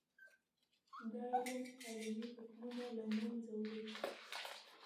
دا علم قالبي حکمونه له منځه وړي.